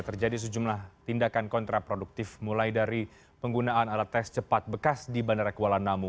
terjadi sejumlah tindakan kontraproduktif mulai dari penggunaan alat tes cepat bekas di bandara kuala namu